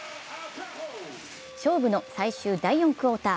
勝負の最終第４クオーター。